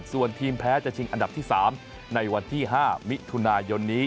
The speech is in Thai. ส่วนทีมแพ้จะชิงอันดับที่๓ในวันที่๕มิถุนายนนี้